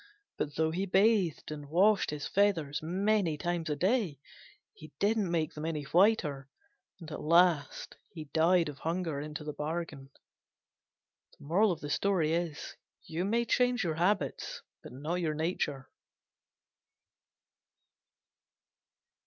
But though he bathed and washed his feathers many times a day, he didn't make them any whiter, and at last died of hunger into the bargain. You may change your habits, but not your nature.